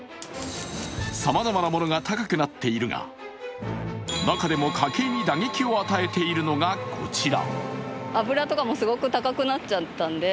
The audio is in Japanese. さまざまなものが高くなっているが、中でも家計に打撃を与えているのが、こちら。